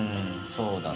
そうだね。